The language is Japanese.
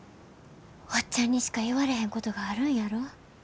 おっちゃんにしか言われへんことがあるんやろ？